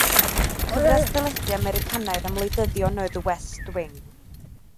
Cyfres deledu Americanaidd am wleidyddion oedd The West Wing.